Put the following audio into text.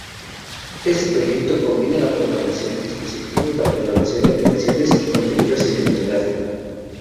Este proyecto combina la programación de dispositivos, la programación de aplicaciones y contenido cinematográfico.